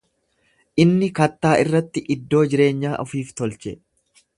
Inni kattaa irratti iddoo jireenyaa ofiif tolche.